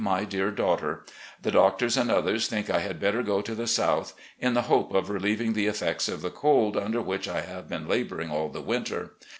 "My Dear Daughter: The doctors and others think I had better go to the South in the hope of relieving the effects of the cold, tmder which I have been labouring all the winter.